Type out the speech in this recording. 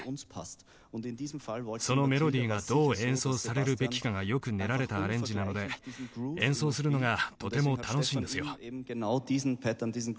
そのメロディーがどう演奏されるべきかがよく練られたアレンジなので演奏するのがとても楽しいんですよ。